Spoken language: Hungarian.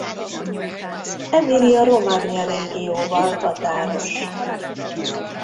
Emilia-Romagna régióval határos.